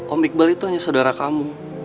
om iqbal itu hanya saudara kamu